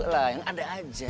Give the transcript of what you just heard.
carilah yang ada aja